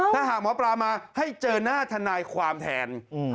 ถ้าหากหมอปลามาให้เจอหน้าทนายความแทน